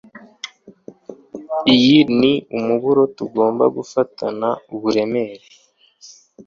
Iyi ni umuburo tugomba gufatana uburemere